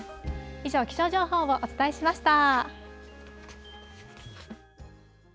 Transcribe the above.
以上、気象情報をお伝えしました。